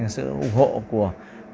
sự ủng hộ của